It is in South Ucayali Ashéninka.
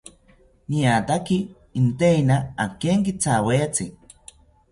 Niataki inteina akenkithawetzi